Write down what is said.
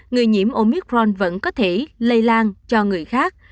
người nhiễm omicron vẫn có thể lây lan cho người khác